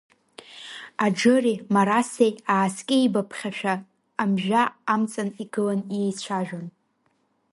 Аџыри Марасеи ааскьеибаԥхьашәа амжәа амҵан игылан иеицәажәон.